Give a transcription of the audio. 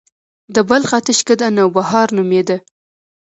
د بلخ اتشڪده نوبهار نومیده